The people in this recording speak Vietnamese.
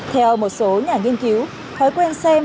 theo một số nhà nghiên cứu khói quen xem